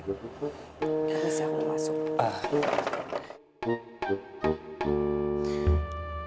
tapi setelah aku masuk